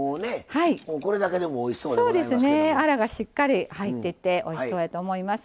アラがしっかり入っていておいしそうやと思います。